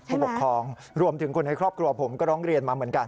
ผู้ปกครองรวมถึงคนในครอบครัวผมก็ร้องเรียนมาเหมือนกัน